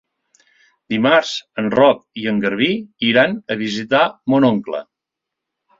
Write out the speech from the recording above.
Dimarts en Roc i en Garbí iran a visitar mon oncle.